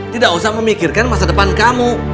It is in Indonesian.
tidak usah memikirkan masa depan kamu